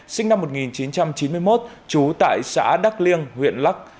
sinh năm một nghìn chín trăm chín mươi một trú tại xã đắk liêng huyện lắc